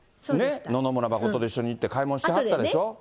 野々村真と一緒に行って、買い物してはったでしょ。